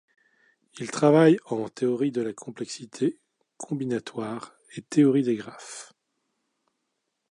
Il travaille en théorie de la complexité, combinatoire et théorie des graphes.